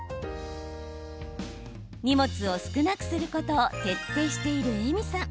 荷物を少なくすることを徹底しているＥｍｉさん。